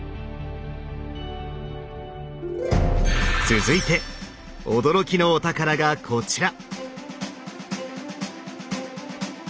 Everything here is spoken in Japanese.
続いて驚きのお宝がこちら！